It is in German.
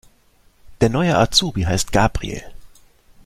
Der neue Azubi heißt Gabriel.